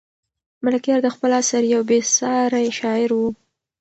ملکیار د خپل عصر یو بې ساری شاعر و.